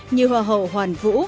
như hoa hậu hoàn vũ